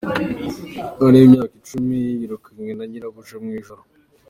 Umwana w’imyaka icumi yirukanywe na nyirabuja mu ijoro